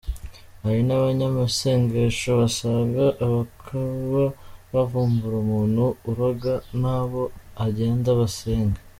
Hari n’ abanyamasengesho basenga abakaba bavumbura umuntu uroga nabo agende basenge".